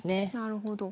なるほど。